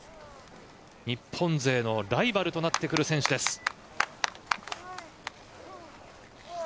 日本勢のライバルとなってくる選手です。